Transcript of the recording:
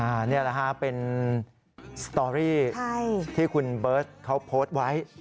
อันนี้แหละฮะเป็นสตอรี่ที่คุณเบิร์ตเขาโพสต์ไว้